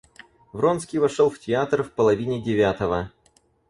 Вронский вошел в театр в половине девятого.